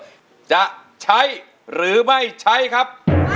อินโทรเพลงที่๓มูลค่า๔๐๐๐๐บาทมาเลยครับ